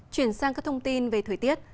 chuyển sang các thông tin về thời tiết